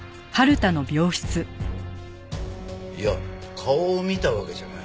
いや顔を見たわけじゃない。